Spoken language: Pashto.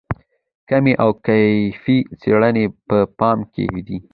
کمي او کیفي څېړنې په پام کې دي.